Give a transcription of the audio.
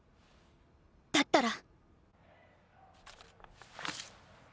だったら。